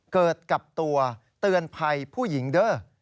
เกิดกับตัวเตือนภัยผู้หญิงเด้อ